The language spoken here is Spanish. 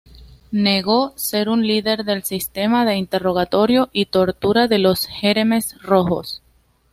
Negó ser un líder del sistema de interrogatorio y tortura de los Jemeres Rojos.